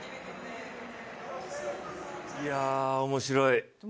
いや、面白い。